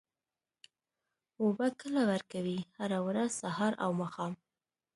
اوبه کله ورکوئ؟ هره ورځ، سهار او ماښام